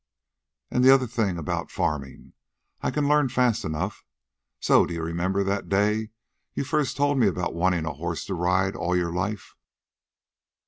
An' the other things about farmin' I can learn fast enough. Say, d'ye remember that day you first told me about wantin' a horse to ride all your life?"